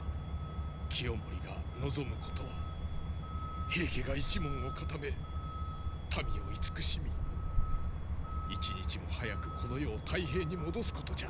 清盛が望むことは平家が一門を固め民を慈しみ一日も早くこの世を太平に戻すことじゃ。